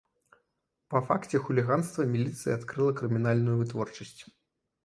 Па факце хуліганства міліцыя адкрыла крымінальную вытворчасць.